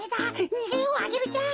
にげようアゲルちゃん。